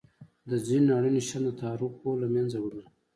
د ځینو اړینو شیانو د تعرفو له مینځه وړل.